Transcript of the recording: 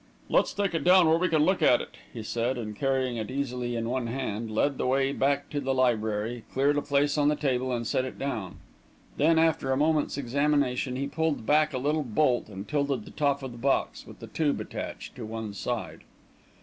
"Let's take it down where we can look at it," he said, and, carrying it easily in one hand, led the way back to the library, cleared a place on the table and set it down. Then, after a moment's examination, he pulled back a little bolt and tilted the top of the box, with the tube attached, to one side.